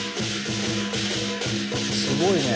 すごいね。